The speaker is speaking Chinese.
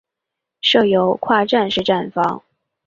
设有跨站式站房。